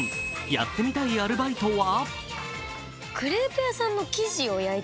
やってみたいアルバイトは？